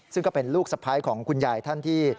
ซึ่งก็เป็นลูกสะพ้ายของคุณยายท่านที่